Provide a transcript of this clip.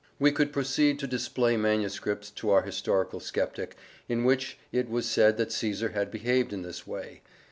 We could proceed to display manuscripts to our historical sceptic, in which it was said that Caesar had behaved in this way.